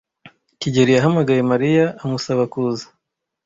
kigeli yahamagaye Mariya amusaba kuza.